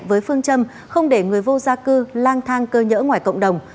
với phương châm không để người vô gia cư lang thang cơ nhỡ ngoài cộng đồng